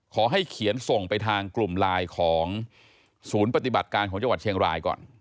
ขอให้เขียนส่งไปทางกลุ่มไลน์ของศูนย์ปฏิบัติการของจังหวัดเชียงรายก่อน